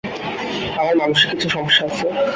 আমার মানসিক কিছু সমস্যা আছে।